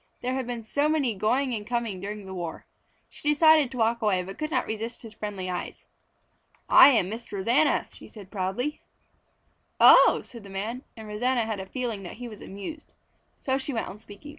There had been so many going and coming during the war. She decided to walk away but could not resist his friendly eyes. "I am Miss Rosanna," she said proudly. "Oh!" said the man, and Rosanna had a feeling that he was amused. So she went on speaking.